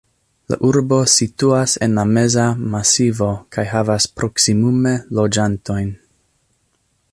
La urbo situas en la Meza Masivo kaj havas proksimume loĝantojn.